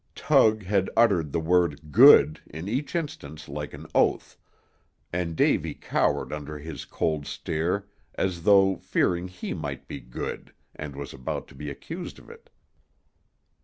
Tug had uttered the word good in each instance like an oath, and Davy cowered under his cold stare as though fearing he might be good, and was about to be accused of it.